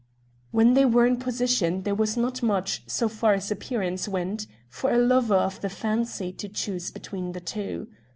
When they were in position there was not much, so far as appearance went, for a lover of the "fancy" to choose between the two.